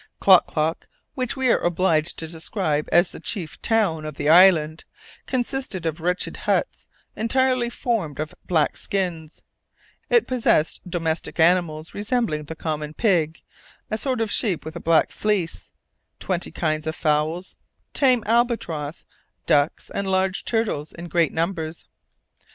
Klock Klock, which we are obliged to describe as the chief "town" of the island, consisted of wretched huts entirely formed of black skins; it possessed domestic animals resembling the common pig, a sort of sheep with a black fleece, twenty kinds of fowls, tame albatross, ducks, and large turtles in great numbers.